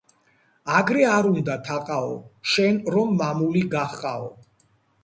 აგრე არ უნდა, თაყაო შენ რომ მამული გაჰყაო